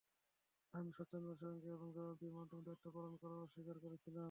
আমি স্বচ্ছতার সঙ্গে এবং জবাবদিহির মাধ্যমে দায়িত্ব পালন করার অঙ্গীকার করেছিলাম।